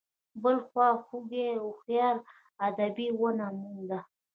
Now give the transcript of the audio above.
بل خواخوږی او هوښیار ادیب ونه موند.